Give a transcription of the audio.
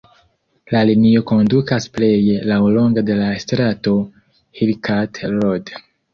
La linio kondukas pleje laŭlonge de la strato Hill Cart Road.